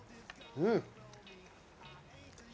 うん！